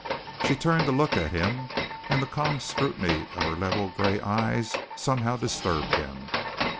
She turned to look at him, and the calm scrutiny of her level gray eyes somehow disturbed him.